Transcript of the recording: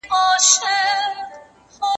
ما پرون د سبا لپاره د لغتونو زده کړه وکړه!!